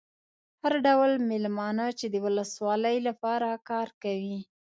هر ډول مېلمانه چې د ولسوالۍ لپاره کار کوي.